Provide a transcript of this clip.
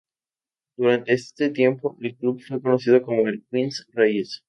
Durante este tiempo, el club fue conocido como el "Queens Reyes".